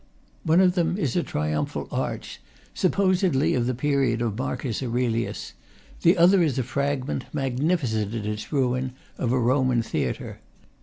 One of them is a triumphal arch, supposedly of the period of Marcus Aurelius; the other is a fragment, magnifi cent in its ruin, of a Roman theatre.